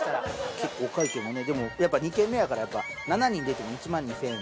結構お会計もねでもやっぱり２軒目やから７人で行っても１万２，０００円。